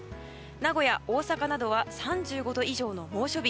名古屋、大阪などは３５度以上の猛暑日。